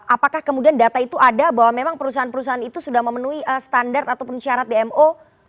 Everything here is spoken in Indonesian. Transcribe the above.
apakah kemudian data itu ada bahwa memang perusahaan perusahaan itu sudah memenuhi standar ataupun syarat dmo